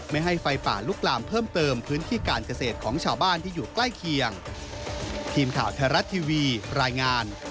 ไม่ให้ไฟป่าลุกลามเพิ่มเติมพื้นที่การเกษตรของชาวบ้านที่อยู่ใกล้เคียง